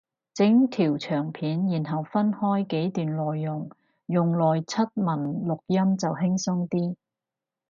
整條長片然後分開幾段內容用嚟出文錄音就輕鬆啲